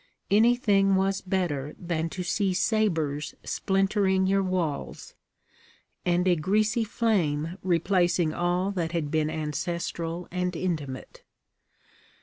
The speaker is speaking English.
Anything was better than to see sabres splintering your walls, and a greasy flame replacing all that had been ancestral and intimate.